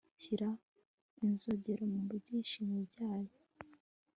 Shyira inzogera mu byishimo byayo